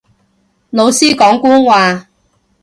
老師講官話